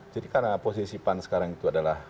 jadi karena posisi pan sekarang itu adalah